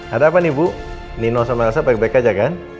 ada apa nih bu nino sama rasa baik baik aja kan